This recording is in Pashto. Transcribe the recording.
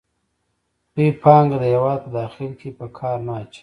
دوی پانګه د هېواد په داخل کې په کار نه اچوي